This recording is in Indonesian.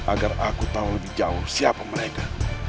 agar aku tahu lebih jauh siapa mereka